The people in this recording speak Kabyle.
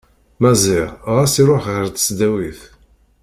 Maziɣ ɣas iruḥ ɣer tesdawit.